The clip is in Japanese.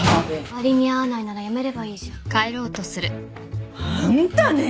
割に合わないなら辞めればいいじゃん。あんたね！